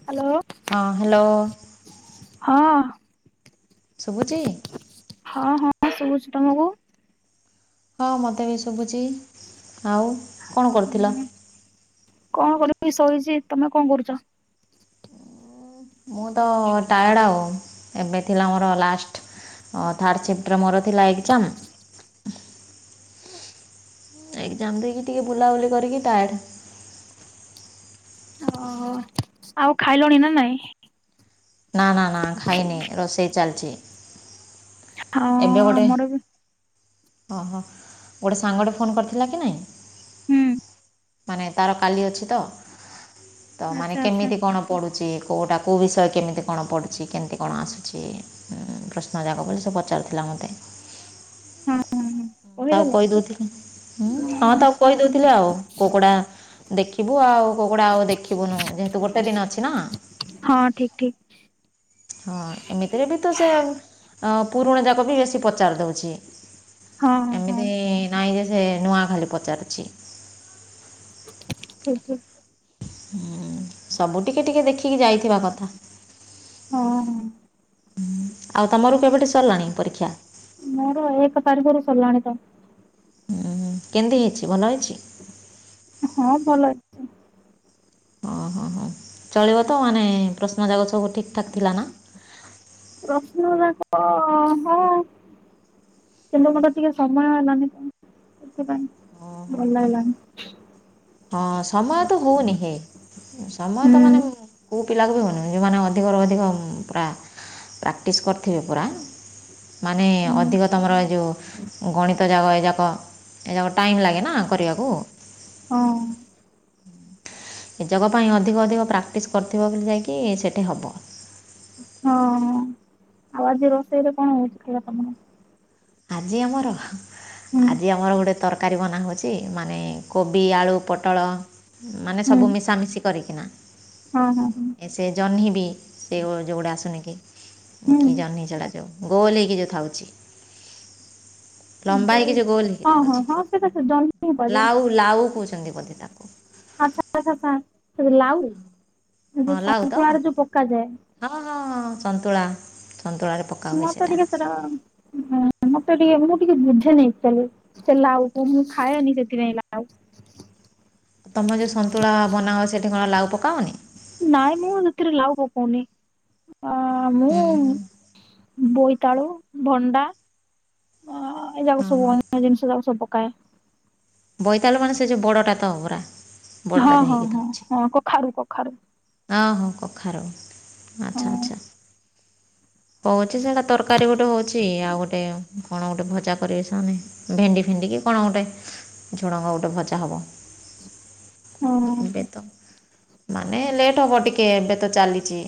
Hello. ହଁ hello. ହଁ। ଶୁଭୁଛି। ହଁ ହଁ ଶୁଭୁଛୁ ତମକୁ? ହଁ ମୋତେ ବି ଶୁଭୁଛି ଆଉ କଣ କରୁଥିଲ? ହୁଁ କଣ କରିବି ଶୋଇବି ତମେ କଣ କରୁଛ? ମୁଁ ତ ଟାୟାର୍ଡ ଆଉ ଏବେ ଥିଲା ମୋର ଲାଷ୍ଟ ହଁ ଥାର୍ଡ଼ ଚେପ୍ଟର୍ ମୋର ଥିଲା ଏକ୍ଜାମ୍ ଏକ୍ସାମ୍ମ ଦେଇକି ଟିକେ ବୁଲାବୁଲି କରିକି ଟାୟାଡ। ଓହୋ ଆଉ ଖାଇଲଣି ନା ନାଇଁ। ନା ନା ନା ଖାଇନି ରୋଷେଇ ଚାଲିଛି। ଆଉ ଏବେ ଗୋଟେ ଆମର ବି ହଁ ହଁ ଗୋଟେ ସାଙ୍ଗଟେ ଫୋନ୍ କରିଥିଲା କି ନାହିଁ। ହୁଁ। ମାନେ ତାର କାଲି ଅଛି ତ ତ ଆଚ୍ଛା ମାନେ ଆଚ୍ଛା କେମିତି କଣ ପଢ଼ୁଛି କେଉଁଟା କେଉଁ ବିଷୟ କେମିତି କଣ ପଢ଼ୁଛି କେମିତି କଣ ଆସୁଛି। ପ୍ରଶ୍ନ ଯାକ ବୋଲି ସେ ପଚାରୁଥିଲା ମୋତେ? ହଁ ହଁ ହଁ ହ ତାକୁ କହିଦେଲ କହିଦଉଥିଲିଁ ହଁ ତାକୁ କହିଦଉଥିଲି ଆଉ କୁକୁଡ଼ା ଦେଖିବୁ ଆଉ କୋଉ କୋଉ ଗୁଡ଼ା ଆଉ ଦେଖିବୁନୁ ଯେହେତୁ ଗୋଟେ ଦିନ ଅଛି ନା। ହଁ ଠିକ ଠିକ। ହଁ ଏମିତିରେ ବି ତ ସେ ପୁରୁଣା ଯାକ ବି ବେଶୀ ପଚାରି ଦେଉଛି। ହଁ ହଁ ହଁ ଏମିତି ନାଇଁ ଯେ ସେ ନୂଆ ଖାଲି ପଚାରୁଛି। ଆଜ୍ଞା। ହୁଁ ସବୁ ଟିକେ ଟିକେ ଦେଖିକି ଯାଇଥିବା କଥା। ହଁ ହଁ। ହ ଆଉ ତମର କେବେଠୁ ସରିଲାଣି ପରୀକ୍ଷା? ମୋର ଏକ ତାରିଖରୁ ସରିଲାଣି ତ। ହୁଁଁ କେମିତି ହେଇଛି ଭଲ ହେଉଛି। ହଁ ଭଲ ହେଉଛି। ହଁ ହ ହଁ ଚଳିବ ତ ମାନେ ପ୍ରଶ୍ନ ଯାଗକ ସବୁ ଠିକ୍ ଠାକ୍ ଥିଲା ନା? ପ୍ରଶ୍ନ ଯାକ ତ ହଁ। କିନ୍ତୁ ମତେ ଟିକେ ସମୟ ହେଲାନି ସେଥିପାଇଁ ଓହୋ ଭଲ ହୋ ଲାଗିଲାନି। ହଁ ସମୟ ତ ହଉନି ହେ। ସମୟ ତ ମାନେ ହୁଁ କୋଉ ପିଲାକୁ ବି ହଉନି ଯୋଉମାନେ ଅଧିକରୁ ଅଧିକ ପୁରା ପ୍ରାକ୍ଟିସ୍ କରିଥିବେ ପୂରା ମାନେ ହୁଁ ଅଧିକ ତୁମର ଯେଉଁ ଗଣିତ ଯାକ ଏଯାକ ଏଯାକ ଟାଇମ୍ ଲାଗେ ନା କରିବାକୁ। ହଁ। ଏ ଯୋଗ ପାଇଁ ଅଧିକ ଅଧିକ ପ୍ରାକ୍ଟିସ୍ କରିଥିବ ବୋଲି ଯାଇକି ସେଇଠି ହେବ। ହଁ ଆଉ ଆଜି ରୋଷେଇରେ କଣ ହଉଛି ଖାଇବା ତମର? ଆଜି ଆମର ହୁଁ ଆଜି ଆମର ଗୋଟେ ତର ତରକାରୀ ବନା ହୋଉଛି ମାନେ କୋବି ଆଳୁ ପୋଟଳ ମାନେ ହୁଁ ସବୁ ମିଶାମିଶି କରି କି ନା। ହଁ ହଁ ହଁ। ସେ ଜହ୍ନି ବି ସେ ଯେଉଁଗୁଡ଼ା ଆସୁନି କି କି ଜହ୍ନି ଚଡ଼ାଯାଉ। ଗୋଲ ହେଇକି ଯେଉଁ ଥାଉଛି। ଲମ୍ବା ହୁଁ ହେଇକି ଯେଉଁ ଗୋଲ ହେଇକି ହଁ ହଁ ଥାଉଛି ହଁ ସେଟା ତ ଜହ୍ନି କୁହାଯାଏ। ଲାଉ ଲାଉ କହୁଛନ୍ତି ବୋଧେ ତାକୁ ଆଛା ଆଛା ଛା ସେ ଲାଉ ଯୋଉ ହଁ ଲାଉ ତ। ସନ୍ତୁଳାରେ ଯୋଉ ପକାଯାଏ ହଁ ହଁ ହଁ ସନ୍ତୁଳା ସନ୍ତୁଳାରେ ପ ମତେ ଟିକେ ସେଟା ଉନ ମତେ ଟିକେ ମୁଁ ଟିକେ ବୁଝେ ନି ଅକ୍ଚୁଆଲି। ସେ ଲାଉ ତୁ ମୁଁ ଖାଏନି ସେଥିିରେ ଲାଉ। ତୁମେ ଯେଉଁ ସନ୍ତୁଳା ବନାଅ ସେଇଠି କଣ ଲାଉ ପକାଅନି। ନାଇଁ ମୁଁ ସେଥିରେ ଲାଭ ପକଉନି ଆ ମୁଁ ହୁଁ ହୁଁ ବୋଇତାଳୁ ଭଣ୍ଡା ଅ ଏ ଯାକ ହଁ ହଁ ସବୁ ଜିନିଷ ତାକୁ ସବ ପକାଏ। ବୋଇତାଳୁ ମାନେ ସେ ଯେଉ ବଡ଼ଟା ତ ହବ ପୁରା। ବଡ଼ଟା ହଁ, ଯେଉଁ ହଁ, ହେଇକି ହଁ, ହଁ, କଖାରୁ, କଖାରୁ। ଆ, ହଁ କଖାରୁ ହଁ ଆଚ୍ଛା, ଆଚ୍ଛା। ହୋଉଛି ସେଇଟା ତରକାରୀ ଗୋଟେ ହେଉଛି ଆଉ ଗୋଟେ କଣ ଗୋଟେ ଭଜା କରିବେ ସେମାନେ। ଭେଣ୍ଡି ଫେଣ୍ଡିିକି କଣ ଗୋଟେ ଝୁଡ଼ଙ୍ଗ ଗୋଟେ ଭଜା ହବ। ହୁଁ। ଏବେ ତ ମାନେ ଲେଟ୍ ହବ ଟିକେ ଏବେ ତ ଚାଲିଛି।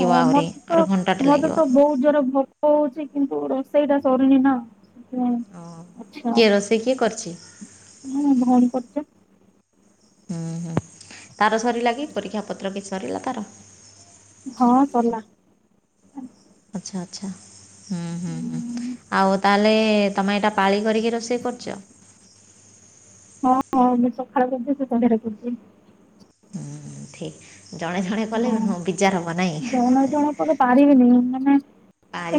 ହଁ ଆହୁରି ମତେ ତ ଆହୁରି ଘଣ୍ଟାଟେ ମତେ ଲାଗିବ ତ ବହୁତ ଜୋର ଭୋକ ହଉଛି କିନ୍ତୁ ରୋଷେଇ ଟା ସରୁନି ନା। ହୁଁ ଓହୋ ଆଛା କିଏ ରୋଷେଇ କିଏ କରିଛି ମୁଁ ଭଉଣୀ ପଟେ ହୁଁ, ହୁଁ ତାର ସରିଲା କି ପରୀକ୍ଷା ପତ୍ର କି ସରିଲା ତାର? ହଁ ସରୀଲା। ଆଚ୍ଛା ଆଚ୍ଛା ହୁଁ ହୁଁ ହୁଁ ଆଉ ତାହେଲେ ତମେ ଏଇଟା ପାଳି କରିକି ରୋଷେଇ କରୁଛ? ହଁ ହଁ ମୁଁ ସଖାଳେ କରି ଦିଏ। ସେ ସନ୍ଧ୍ୟା ରେ କରି ଦିଏ। ହୁଁ ଠିକ୍। ଜଣେ ଜଣେ କଲେ ହୁଁ ବିଜାର ହବ ନାହିଁ ଜଣ ଜଣଙ୍କର ପାରିବିନି ମାନେ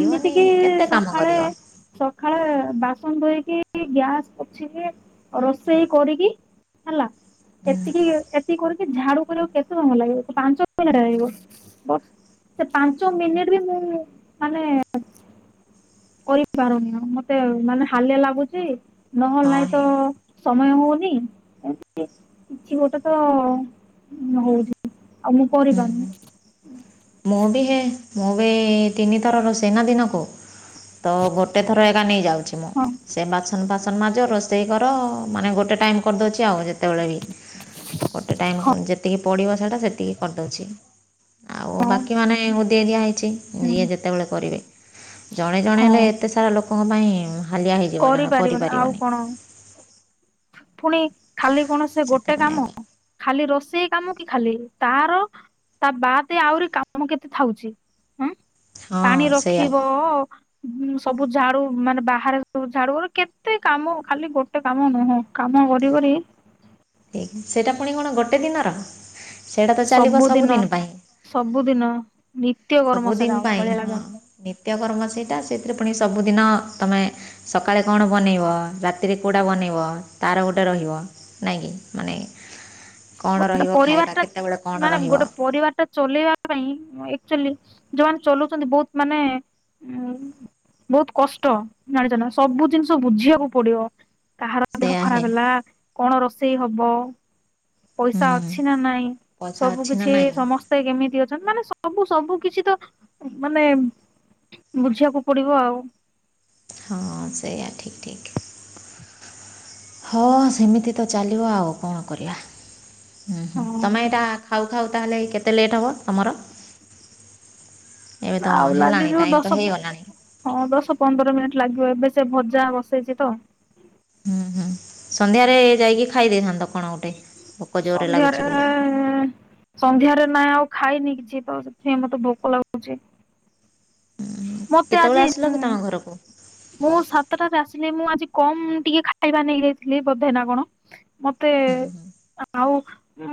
ଏମିତି କି କେତେ କାମ ସଖାଳେ କରିବ ସଖାଳେ ବାସନ ଧୋଇକି ଗ୍ୟାସ ପୋଛିକି ରୋଷେଇ କରିକି ହେଲା ହୁଁ ଏତିକି ଏତିକି କରିକି ଝାଡୁ କରିବାକୁ କେତେ ସମୟ ଲାଗିବ ପାଞ୍ଚ କେତେ ମିନିଟ୍ ଲାଗିବ କହୁନୁ ସେ ପାଞ୍ଚ ମିନିଟ ବି ମୁଁ ମାନେ କରି ପାରୁନି ଆଉ ମତେ ମାନେ ହାଲିଆ ଲାଗୁଚ ନ ହେଲେ ହଁ ନହିଁ ତ ହେଇ ସମୟ ହଉନି ଏମତି କିଛି ଗୋଟେ ତ ହଉଛି। ଆଉ ମୁଁ ହୁଁ ହୁଁ ପଢ଼ିପାରୁନି। ମୁଁ ବି ହେ ମୁଁ ବି ତିନିଥରର ରୋଷେଇ ନା ଦିନକୁ। ତ ଗୋଟେ ଥର ଏକା ନେଇଯାଉଛି ମୁଁ। ହଁ ସେ ବାସନ ଫାସନ ନ ମାଜ ରୋଷେଇ କର ମାନେ ଗୋଟେ ଟାଇମ କରିଦଉଛି। ଆଉ ଯେତେବେଳେ ବି ଗୋଟେ ଟାଇମ ଯେତିକି ପଡ଼ିବ ସେଇଟା ସେତିକି କରିଦେଉଛି। ଆଉ ହଁ ବାକି ମାନେ ଉ ଦେଇ ଦିଆହେଇଛି ଯିଏ ଯେତେବେଳେ କରିବେ। ଜଣେ ଜଣେ ହେଲେ ହଁ ଏତେ ସାରା ଲୋକଙ୍କ ପାଇଁ ହାଲିଆ ହେଇଯିବ ଜଣେ କରିପାରିବନି। ଫୁଣି ଖାଲି କଣ ସେ ଗୋଟେ ସେଥିପାଇଁ ଆଗ କାମ। ଖାଲି ରୋଷେଇ କାମ କି ଖାଲି ତାର ତା ବାଦ ଆହୁରି କାମ କେତେ ଥାଉଛି ହୁଁ ହଁ ପାଣି ସେଇଆ ରଖିବ ଅ ସବୁ ଝାଡୁ ମାନେ ବାହାରେ ସବୁ ଝାଡୁ କେତେ କାମ ଖାଲି ଗୋଟେ କାମ ନୁହଁ। କାମ କରି କାରି ଠିକ୍ ସେଇଟା ପୁଣି କଣ ଗୋଟେ ଦିନର? ସେଇଟା ତ ଚାଲିବ ସବୁଦିନ, ପାଇଁ ସବୁଦିନ ନିତ୍ୟ କର୍ମ ସବୁଦିନ ସେଟା ପାଇଁ ଭଳିଆ ହଁ ଲାଗେ। ନିତ୍ୟକର୍ମ ସେଇଟା ସେଥିରେ ପୁଣି ସବୁଦିନ ତମେ ସଖାଳେ କଣ ବନେଇବ ରାତିରେ କୋଉଟା ବନେଇବ ତାର ଗୋଟେ ରହିବ। ନାଇଁ କି ମାନେ କଣ ରହିବ ଖାଇବା କେତେବେଳେ କଣ ରହିବ। ପରିବାରଟା ଚଲେଇବା ପାଇଁ ଏକ୍ଟା ଯୁଆଚୁଲି ଯୋଉମାନେ ଚଲୁଛନ୍ତି ବହୁତ ମାନେ ଉ ବହୁତ କଷ୍ଟ ଜାଣିଛ ନା ସବୁ ଜିନିଷ ବୁଝିବାକୁ ପଡିବ। କାହାର ଦେହ ସେଇଆ ହିଁ ଖରାପ ହେଲା କଣ ରୋଷେଇ ହବ। ପଇସା ହୁଁ, ଅଛି ନା ନାଇଁ ପଇସା ସବୁ ଅଛି ନା କିଛି ନାହିଁ ସମ ସେ କେମିତି ଅଛନ୍ତି ମାନେ ସବୁ ସବୁ କିଛି ତ ମାନେ ବୁଝିବାକୁ ପଡ଼ିବ ଆଉ। ହଁ ସେଇଆ ଠିକ୍ ଠିକ୍। ହଁ, ସେମିତି ତ ଚାଲିବ ଆଉ କଣ କରିବା। ହୁଁ ହୁଁ ହଁ ତମେ ଏଇଟା ଖାଉଖାଉ ତାହେଲେ କେତେ ଲେଟ୍ ହେବ ତମର? ତ ଆଉ ଲାଗି ହେଲାଣି ଯିବ ଟାଇମ୍ ତ ଦଶ ବ ହେଇଗଲାଣି ହଁ ଦଶ ପନ୍ଦର ମିନିଟ୍ ଲାଗିବ ଏବେ ସେ ଭଜା ବସେଇଛି ତ। ହୁଁ ହୁଁ ସନ୍ଧ୍ୟାରେ ଯାଇକି ଖାଇ ଦେଇଥାନ୍ତ କଣ ଗୋଟେ ଭୋକ ଜୋରରେ ସନ୍ଧ୍ୟାରେ ଲାଗୁଛି ବୋଲି। ସନ୍ଧ୍ୟାରେ ନାଇଁ ଆଉ ଖାଇନି କିଛି ତ ସେଥି ମତେ ଭୋକ ଲାଗୁଛି। ଉଁ ମତେ କେତେବେଳେ ଆଜି ଆସିଲ କି ତମ ଘରକୁ? ମୁଁ ସାତଟାରେ ଆସିଲି। ମୁଁ ଆଜି କମ୍ ଟିକେ ଖାଇବା ନେଇଯାଇଥିଲି ବୋଧେ ନା କଣ? ମତେ ହୁଁ ହୁଁ ଆଉ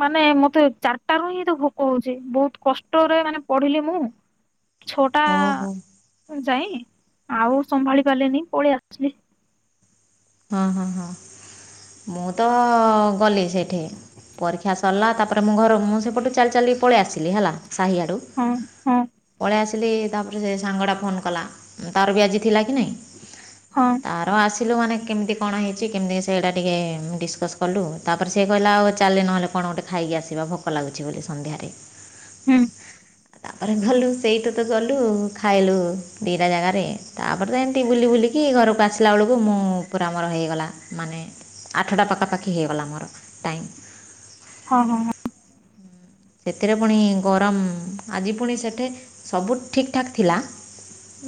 ମାନେ ମତେ ଚାରିଟା ରୁ ହିଁ ଏତେ ଭୋକ ହଉଛି। ବହୁତ କଷ୍ଟରେ ମାନେ ପଢିଲି ମୁଁ। ଛଟା ଓହୋ ଯାଇଁ ଆଉ ସମ୍ଭାଳି ପାରିଲିନି ପଳେଇ ଆସିଲି। ହଁ ହଁ ହଁ। ମୁଁ ତ ଗଲି ସେଇଠି। ପରୀକ୍ଷା ସରିଲା ତାପରେ ମୁଁ ଘର ମୁଁ ସେପଟୁ ଚାଲି ଚାଲି ପଳେଇ ଆସିଲି ହେଲା ସାହିଆଡ଼ୁ। ହଁ ହଁ। ପଳେଇ ଆସିଲି ତାପରେ ସେ ସାଙ୍ଗଟା ଫୋନ୍ କଲା ତାର ବି ଆଜି ଥିଲା କି ନାହିଁ। ହଁ। ତାର ଆସିଲୁ ମାନେ କେମିତି କଣ ହେଇଛି କେମିତି ସେଇଟା ଟିକେ ଡିସକସ୍ କଲୁ ତାପରେ ସେ କହିଲା ଆଉ ଚାଲେ ନହେଲେ କଣ ଗୋଟେ ଖାଇକି ଆସିବା ଭୋକ ଲାଗୁଛି ବୋଲି ସନ୍ଧ୍ୟାରେ। ହୁଁ। ତାପରେ ଘଲୁ ସେଇଠୁ ତ ଗଲୁ ଖାଇଲୁ ଦିଇଟା ଜାଗାରେ ତାପରେ ଏମତି ବୁଲି ବୁଲିି କି ଘରକୁ ଆସିଲା ବେଳକୁ ମୁଁ ପୁରା ମୋର ହେଇଗଲା ମାନେ ଆଠଟା ପାଖାପାଖି ହେଇଗଲା ଆମର ଟାଇମ୍। ହଁ ହଁ ହଁ। ସେଥିରେ ପୁଣି ଗରମ, ଆଜି ପୁଣି ସେଠେ ସବୁ ଠିକ୍ ଠାକ୍ ଥିଲା।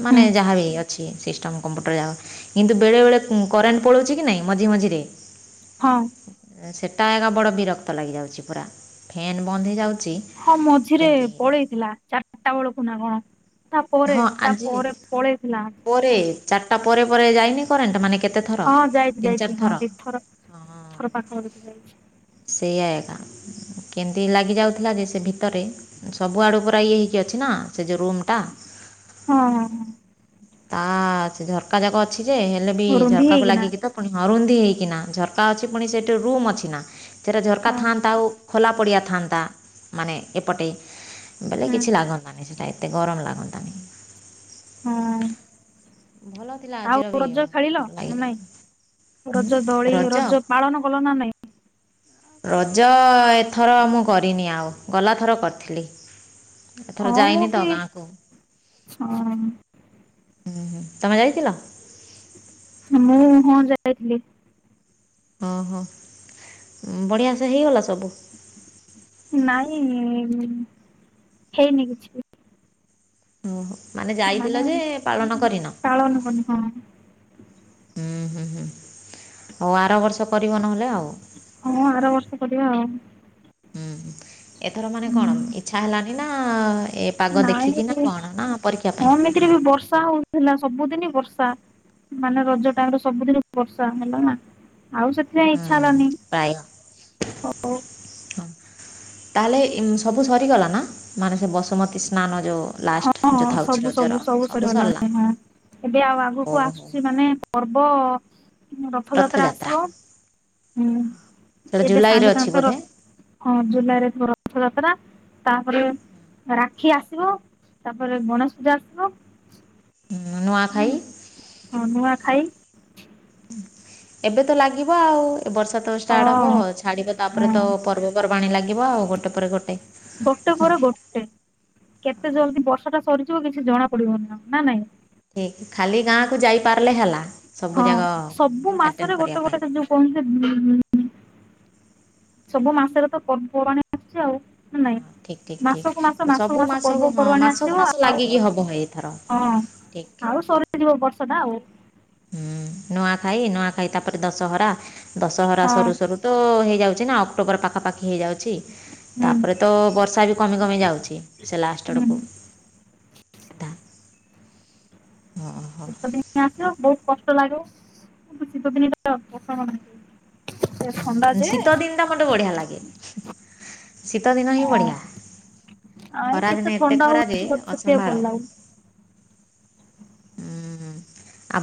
ମାନେ ହୁଁ ଯାହାବି ଅଛି ସିଷ୍ଟମ୍ କମ୍ପ୍ୟୁଟର ଯାକ କିନ୍ତୁ ବେଳେବେଳେ ହୁଁ କରେଣ୍ଟ ପଳଉଛି କି ନାଇଁ ମଝି ମଝିରେ। ହଁ। ସେଟା ଏକା ବଡ଼ ବିରକ୍ତ ଲାଗିଯାଉଛି ପୁରା ଫ୍ୟାନ୍ ବନ୍ଦ ହେଇଯାଉଛି। ହଁ ମଝିରେ କେମିତି ପଳେଇଥିଲା ଚାରଟା ବେଳକୁ ନା କଣ? ତା ପରେ ହଁ ତା ଆଜି ପରେ ପଳେଇଥିଲା ପରେ ହଁ। ଚାରିଟା ପରେ ପରେ ଯାଇନି କରେଣ୍ଟ ମାନେ କେତେ ଥର ହଁ ଯାଇଛି ତିନି ଚାରି ଯାଇଛି ହଁ ଦି ଥର ହଁ ଦିଥର ପାଖାପାଖୀ ଯାଇଛି। ସେଇଆ ଏକା କେନ୍ତି ଲାଗି ଯାଉଥିଲା ଯେ ସେ ଭିତରେ ସବୁ ଆଡୁ ପୁରା ଇଏ ହେଇକି ଅଛି ନା ସେ ଯୋଉ ରୁମ୍ ଟା। ହଁ। ହଁ ହଁ। ତା ସେ ଝରକା ଯାକ ଅଛି ଯେ ହେଲେ ବି ରୁନ୍ଧି ଝରକାକୁ ହେଇକିନା ଲାଗିକି ତ ପୁଣି ହରୁନ୍ଧି ହେଇକିନା ଝରକା ଅଛି ପୁଣି ସେଠି ରୁମ୍ ଅଛି ନା ସେଥିରେ ଝରକା ହଁ ଥାନ୍ତା ଆଉ ଖୋଲା ପଡ଼ିଆ ଥାଆନ୍ତା ମାନେ ଏପଟେ ବେଲେ ହୁଁ କିଛି ଲାଗନ୍ତାନି ସେଟାରେ। ଏତେ ଗରମ ଲାଗନ୍ତାନି। ହଁ। ଭଲ ଥିଲା ଆଜିର ଆଉ ବି ରଜ ଖେଳିଲ ଭଲ ନା ଲାଗିଲା ନାଇଁ? ରଜ ଦୋଳି, ରଜ ପାଳନ କଲ ନା ନାଇଁ। ରଜ ଏଥର ମୁଁ କରିନି ଆଉ ଗଲାଥର କରିଥିଲି। ଏଥର ହଁ ମୁଁ ଯାଇନି ତ ବି ଗାଁକୁ। ହଁ ହୁଁ ହୁଁ ତମେ ଯାଇଥିଲ? ମୁଁ ହଁ ଯାଇଥିଲି। ଓହୋ। ଉଁ ବଢ଼ିଆ ସେ ହେଇଗଲା ସବୁ। ନାଇଁ ହେଇନି କିଛି। ଓହୋ ମାନେ ଯାଇଥିଲ ମାନେ ଯେ ଉଁ ପାଳନ ଉଁ କରିନ? ପାଳନ କରିନି। [unintelligible] ହୁଁ ହୁଁ ହୁଁ ହଉ ଆର ବର୍ଷ କରିବ ନହେଲେ ଆଉ। ହଁ ଆର ବର୍ଷ କରିବା ଆଉ। ହୁଁ ହୁଁ। ଏଥର ମାନେ କଣ ଇଛା ହେଲାନି ନା ଏ ପାଗ ଦେଖିକି ନା କଣ ନା ପରୀକ୍ଷା ପାଇଁ? ଏଥିରେ ବି ବର୍ଷା ହଉଥିଲା ସବୁଦିନ ବର୍ଷା। ମାନେ ରଜ ଟାଇମରେ ସବୁଦିନ ବର୍ଷା ହେଲା ନା ଆଉ ସେଥିପାଇଁ ଇଚ୍ଛା ହୁଁ ହେଲାନି। ପ୍ରାୟ ହଉ ହ ତାହେଲେ ସବୁ ସରିଗଲା ନା ମାନେ ସେ ବସୁମତୀ ସ୍ନାନ ଯୋଉ? ହଁ ଲାଷ୍ଟ ଯୋଉ ହଁ ଥାଉଛି ସବୁ ରଜର ସବୁ ସବୁ ସରିଲା? ସରିଗଲାଣି ହଁ ଏବେ ଆଉ ଆଗକୁ ଓହୋ ଆସୁଛି ମାନେ ପର୍ବ ରଥଯାତ୍ରା ଆସିବ। ହୁଁ ସେଇଟା ଏବେ ଜୁଲାଇରେ ସାଙ୍ଗେ ଅଛି ସାଙ୍ଗେ ତ ବୋଧେ ରଥ ହଁ ଜୁଲାଇ ରେ ରଥ ଯାତ୍ରା। ତାପରେ ରାକ୍ଷୀ ଆସିବ ତାପରେ ଗଣେଶ ପୂଜା ଆସିବ। ନୂଆଖାଇ। ହଁ ନୂଆ ଖାଇ ଏବେ ତ ଲାଗିବ ଆଉ, ଏ ବର୍ଷା ତ ହଁ ଷ୍ଟାର୍ଟ ହବ ଛାଡିବ ହଁ ତାପରେ ତ ପର୍ବପର୍ବାଣିୀ ଲାଗିବ। ଆଉ ଗୋଟେ ପରେ ଗୋଟେ। ଗୋଟେ ପରେ ଗୋଟେ କେତେ ଜଲଦି ବର୍ଷା ଟା ସରିଯିବ କିଛି ଜଣା ପଡିବନି ନା ନାଇଁ। ଠିକ ଖାଲି ଗାଁକୁ ଯାଇପାରିଲେ ହେଲା। ସବୁ ହଁ ଯାଗ ଆଟେଣ୍ଡ କରିବା ପାଇଁ। କଣ ସେ ବ୍ ସବୁ ମାସରେ ତ ପର୍ବପର୍ବାଣି ଆସୁଛି ଆଉ ନା ନାଇଁ? ଠିକ୍ ଠିକ୍ ଠିକ୍ ମାସକୁ ମାସ ମାସକୁ ସବୁ ମାସ ହଁ ପର୍ବପର୍ବାଣିୀ ମାସକୁ ଆସିବ। ମାସ ଆଉ ଲାଗିକି ହେବ ଏଇଥର ହଁ। ଠିକ୍ ଆଉ ସରି ଯିବ ବର୍ଷା ଟା ଆଉ। ହୁଁ ନୂଆଖାଇ। ନୂଆଖାଇ ତାପରେ ଦଶହରା। ଦଶହରା ହଁ ସରୁ ସରୁ ତ ହେଇଯାଉଛି ନା ଅକ୍ଟୋବର ପାଖାପାଖି ହେଇଯାଉଛି। ହୁଁ ତାପରେ ତ ବର୍ଷା ବି କମି କମି ଯାଉଛି ସେ ଲାଷ୍ଟ ହୁଁ ଆଡ଼କୁ। ସିଦା, ଶୀତ ଦିନ ଆସିବ ବହୁତ କଷ୍ଟ ଲାଗିବ। [unintelligible] ଥଣ୍ଡା ହୁଁ ଯେ ଶୀତ ଦିନ ଟା ମୋତେ ବଢିଆ ଲାଗେ। ଶୀତ ଦିନ ହିଁ ହଁ ବଢିଆ। ଆଇ କେତେ ଖରାଦିନେ ଏତେ ଥଣ୍ଡା ଖରା ଯେ ହଉଛି ମତେ ସେଥିପାଇଁ ଅସମ୍ଭାଳ। ଭଲ ଲାଗୁନି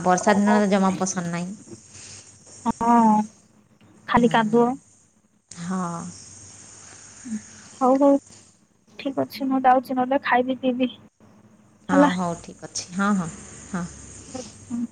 ବର୍ଷା ହଉ ଦିନ ହଉ ତ ଜମା ପସନ୍ଦ ନାହିଁ। ହଁ ଖାଲି ହୁଁ କାଦୁଅ। ହଁ। ହଉ ହଉ ଠିକ ଅଛି ମୁଁ ଯାଉଛି ନହେଲେ ଖାଇବି ପିଇବି। ହଁ ହେଲା। ହଉ ଠିକ୍ ଅଛି। ହଁ ହଁ ହଁ। ହୁଁ